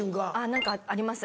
何かあります